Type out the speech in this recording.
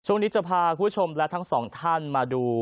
ช่วงนี้จะพาคุณผู้ชมและทั้งสองท่านมาดู